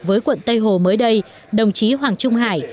với quận tây hồ mới đây đồng chí hoàng trung hải